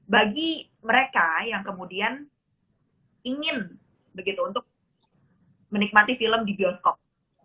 bagi mereka yang kemudian ingin begitu untuk menikmati film di bioskop